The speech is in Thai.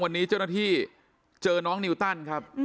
วันนี้เจ้านัทธิเจอน้องนิวตั้น